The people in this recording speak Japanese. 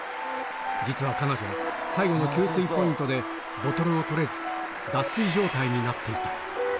実は彼女、最後の給水ポイントでボトルを取れず、脱水状態になっていた。